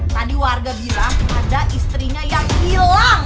tadi warga bilang ada istrinya yang hilang